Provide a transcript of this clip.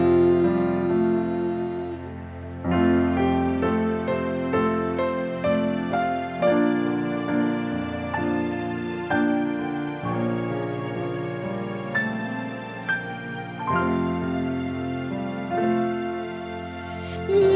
อืม